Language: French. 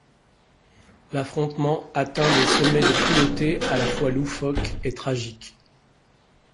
L'affrontement atteint des sommets de cruauté à la fois loufoque et tragique.